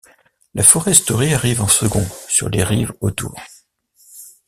La foresterie arrive en second sur les rives autour.